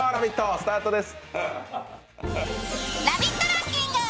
スタートです。